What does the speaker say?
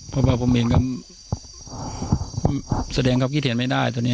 เพราะว่าผมเองก็แสดงครับคิดเห็นไม่ได้ตอนนี้